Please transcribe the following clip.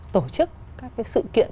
tổ chức các cái sự kiện